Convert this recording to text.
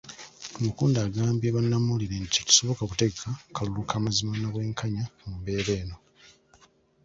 Tumukunde agambye bannamawulire nti tekisoboka kutegaka kalulu ka mazima na bwenkanya mu mbeera eno.